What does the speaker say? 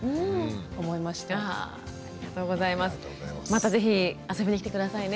また是非遊びに来て下さいね。